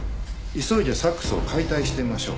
急いでサックスを解体してみましょう。